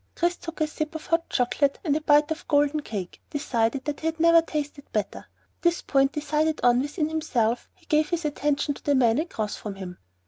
Chris took a sip of the hot chocolate and a bite of golden cake, deciding that he had never tasted better. This point decided on within himself, he gave his attention to the man across from him.